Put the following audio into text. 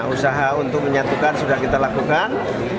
usaha untuk menyatukan sudah kita lakukan